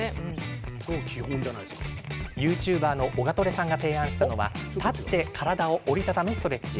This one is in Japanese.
ＹｏｕＴｕｂｅｒのオガトレさんが提案したのは立って体を折り畳むストレッチ。